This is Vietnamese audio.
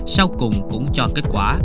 sau cùng cũng cho kết quả